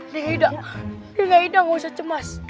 dengan aida dengan aida gak usah cemas